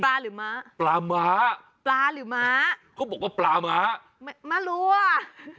ปลาหรือม้าปลาหมาปลาหรือม้าเขาบอกว่าปลาหมาไม่ไม่รู้อ่ะ